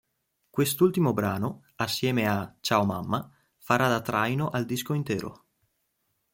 Quest'ultimo brano, assieme a "Ciao mamma", farà da traino al disco intero.